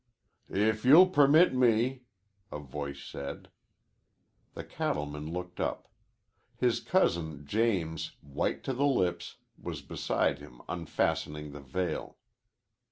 "If you'll permit me," a voice said. The cattleman looked up. His cousin James, white to the lips, was beside him unfastening the veil.